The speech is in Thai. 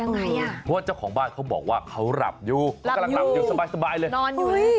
เพราะว่าเจ้าของบ้านเขาบอกว่าเขารับอยู่เขากำลังรับอยู่สบายเลย